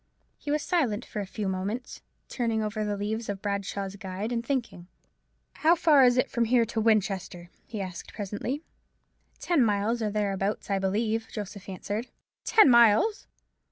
He was silent for a few moments, turning over the leaves of Bradshaw's Guide, and thinking. "How far is it from here to Winchester?" he asked presently. "Ten miles, or thereabouts, I believe," Joseph answered. "Ten miles!